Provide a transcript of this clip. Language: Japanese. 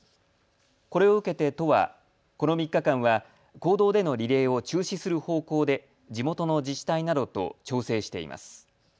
これを受けて都はこの３日間は公道でのリレーを中止する方向で地元の自治体などと調整しています。